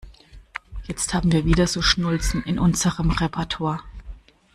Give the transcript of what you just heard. Jetzt haben wir wieder so Schnulzen in unserem Repertoir.